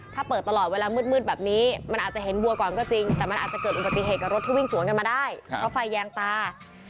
ถ้าเปิดตลอดเวลามืดแบบนี้มันอาจจะเห็นวัวก่อนก็จริงแต่มันอาจจะเกิดอุบัติเหตุกับรถที่วิ่งสวนกันมาได้เพราะไฟแยงตา